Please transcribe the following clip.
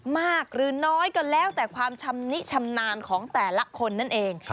มากหรือน้อยก็แล้วแต่ความชำนิชำนาญของแต่ละคนนั่นเอง